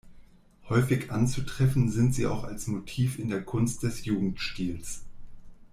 Häufig anzutreffen sind sie auch als Motiv in der Kunst des Jugendstils.